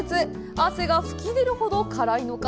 汗が吹き出るほど辛いのか？